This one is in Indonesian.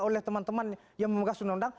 oleh teman teman yang memegang sunodang